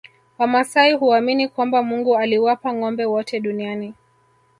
Wamasai huamini kwamba Mungu aliwapa ngombe wote duniani